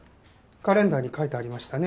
カレンダーに書いてありましたね。